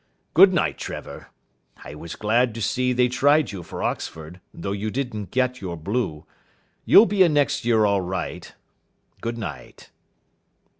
Good night, Trevor. I was glad to see they tried you for Oxford, though you didn't get your blue. You'll be in next year all right. Good night."